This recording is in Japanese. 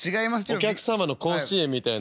お客様の甲子園みたいな。